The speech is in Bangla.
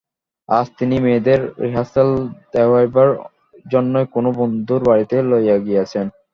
আজ তিনি মেয়েদের রিহার্সাল দেওয়াইবার জন্যই কোনো বন্ধুর বাড়িতে লইয়া গিয়াছেন।